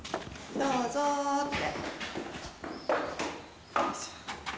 どうぞって。